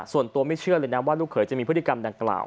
ส่วนตัวไม่เชื่อเลยนะว่าลูกเขยจะมีพฤติกรรมดังกล่าว